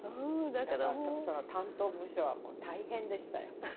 だからその担当部署はもう大変でしたよ。